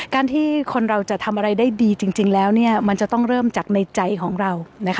การที่คนเราจะทำอะไรได้ดีจริงแล้วมันจะต้องเริ่มจากในใจของเรา